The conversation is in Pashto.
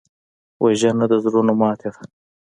وژنه د زړونو ماتې ده